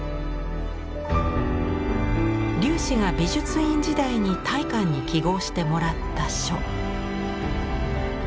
龍子が美術院時代に大観に揮毫してもらった書。